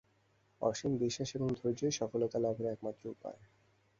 অসীম বিশ্বাস ও ধৈর্যই সফলতালাভের একমাত্র উপায়।